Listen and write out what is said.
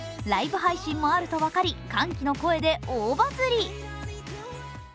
ライブ配信もあると分かり、歓喜の声で大バズリ。